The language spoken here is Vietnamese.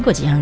của chị hằng